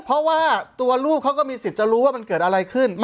เพราะว่าตัวลูกเขาก็มีสิทธิ์จะรู้ว่ามันเกิดอะไรขึ้น